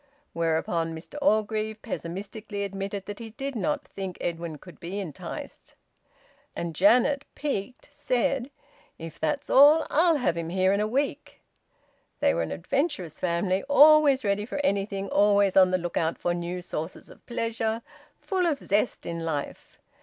Whereupon Mr Orgreave pessimistically admitted that he did not think Edwin could be enticed. And Janet, piqued, said, "If that's all, I'll have him here in a week." They were an adventurous family, always ready for anything, always on the look out for new sources of pleasure, full of zest in life.